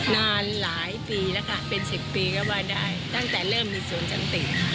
นานหลายปีแล้วค่ะเป็น๑๐ปีก็ว่าได้ตั้งแต่เริ่มมีสวนสันติ